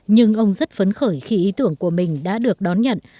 nhưng ông rất phấn khởi khi ý tưởng của mình đã được đón nhận